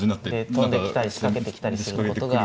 跳んできたり仕掛けてきたりすることが。